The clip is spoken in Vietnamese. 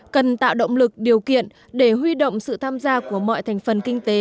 cần tạo động lực điều kiện để huy động sự tham gia của mọi thành phần kinh tế